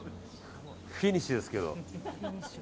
フィニッシュですけど。